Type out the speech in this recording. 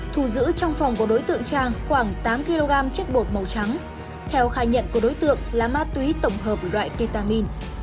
thù giữ trong phòng của đối tượng trang khoảng tám kg chất bột màu trắng theo khai nhận của đối tượng là ma túy tổng hợp loại ketamin